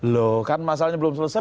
loh kan masalahnya belum selesai